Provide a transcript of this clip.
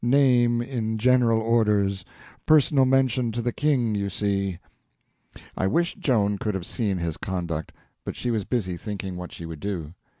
—name in General Orders—personal mention to the King, you see!" I wished Joan could have seen his conduct, but she was busy thinking what she would do.